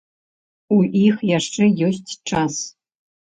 У іх яшчэ ёсць час.